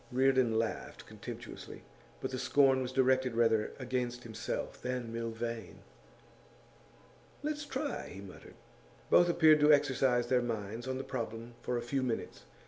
Reardon laughed contemptuously, but the scorn was directed rather against himself than Milvain. 'Let's try,' he muttered. Both appeared to exercise their minds on the problem for a few minutes.